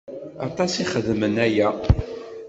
Aṭas i xeddmen aya.